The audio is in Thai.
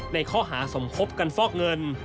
ในข้อหาสมคบกันฟอกเงิน